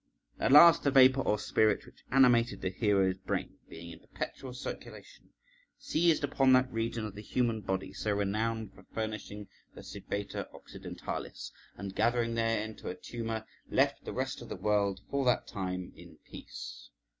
At last the vapour or spirit which animated the hero's brain, being in perpetual circulation, seized upon that region of the human body so renowned for furnishing the zibeta occidentalis {127b}, and gathering there into a tumour, left the rest of the world for that time in peace.